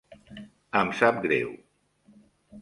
Em sap greu.